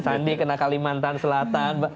sandi kena kalimantan selatan